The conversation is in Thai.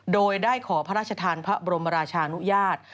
โดยได้ขอพระราชทานพระบรมราชานุญาต